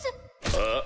あっ？